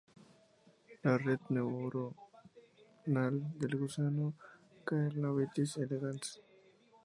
La red neuronal del gusano caenorhabditis elegans.